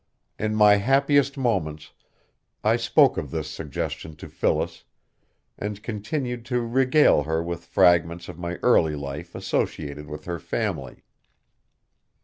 In my happiest moments I spoke of this suggestion to Phyllis, and continued to regale her with fragments of my early life associated with her family.